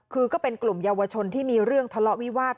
คือก็เป็นกลุ่มเยาวชนที่มีเรื่องทะเลาะวิวาส